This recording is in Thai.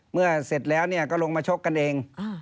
เมื่อเสร็จแล้วก็ลงมาโชคกันเอง